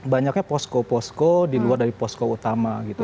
banyaknya posko posko di luar dari posko utama gitu